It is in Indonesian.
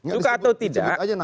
suka atau tidak